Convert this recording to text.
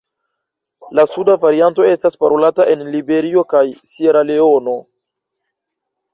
La suda varianto estas parolata en Liberio kaj Sieraleono.